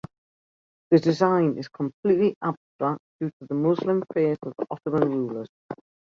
The design is completely abstract due to the Muslim faith of the Ottoman rulers.